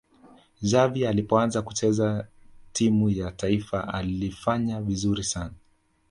xavi alipoanza kucheza timu ya taifa alifanya vizuri sana